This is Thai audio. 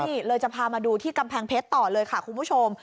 นี่เลยจะพามาดูที่กำแพงเพชรต่อเลยค่ะคุณผู้ชม